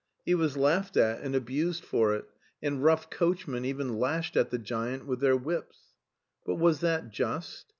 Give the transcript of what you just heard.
He was laughed at and abused for it, and rough coachmen even lashed at the giant with their whips. But was that just?